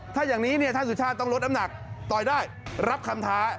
ถ้าอย่างนี้ท่านสุชาติต้องลดน้ำหนักต่อยได้รับคำท้า